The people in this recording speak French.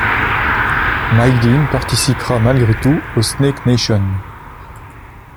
Mike Dean participera malgré tout au Snake Nation.